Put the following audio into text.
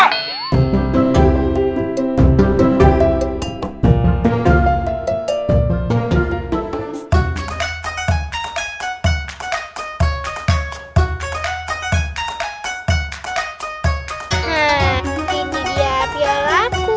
hm ini dia dial aku